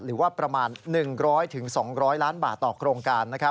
หรือว่าประมาณ๑๐๐๒๐๐ล้านบาทต่อโครงการ